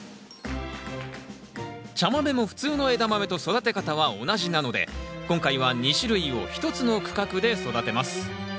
茶豆も普通のエダマメと育て方は同じなので今回は２種類を１つの区画で育てます。